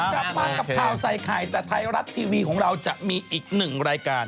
กลับมากับข่าวใส่ไข่แต่ไทยรัฐทีวีของเราจะมีอีกหนึ่งรายการ